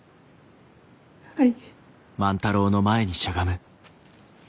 はい。